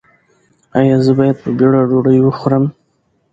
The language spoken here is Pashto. ایا زه باید په بیړه ډوډۍ وخورم؟